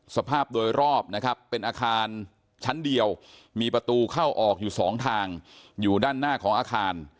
สภาพโดยรอบนะครับเป็นอาคารชั้นเดียวมีประตูเข้าออกอยู่สองทางอยู่ด้านหน้าของอาคาร